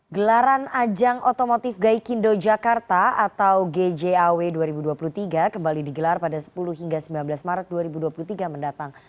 gelaran ajang otomotif gaikindo jakarta atau gjaw dua ribu dua puluh tiga kembali digelar pada sepuluh hingga sembilan belas maret dua ribu dua puluh tiga mendatang